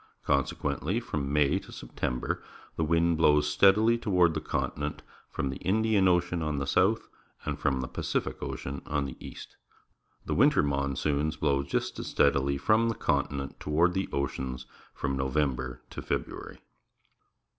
Consequently from May to September the wind blows steadily toward the continent from the Indian Ocean on the south and from the Pacific Ocean on the east. The winter monsoons blow just as steadily from the continent toward the oceans from November to February.